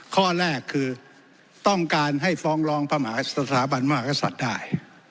ข้อแรกคือต้องการให้ฟ้องร้องพระมหาสถาบันมหากษัตริย์ได้